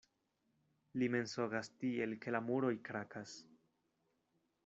Li mensogas tiel, ke la muroj krakas.